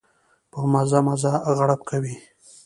په مزه مزه غړپ کوي.